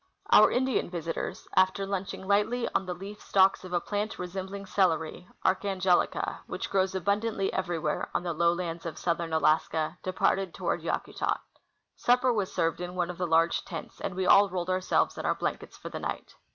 Our Indian visitors, after lunching lightly on the leaf stalks of a plant resembling celery (Archangelica), which grows abundantly everywhere on the lowlands of southern Alaska, departed toward Yakutat. Supper was served in one of the large tents, and we all rolled ourselves in our blankets for the night.